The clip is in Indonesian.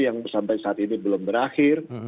yang sampai saat ini belum berakhir